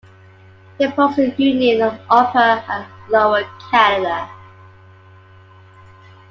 He opposed the union of Upper and Lower Canada.